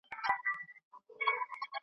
د زلفو عطر دي د خیال له شبستانه نه ځي .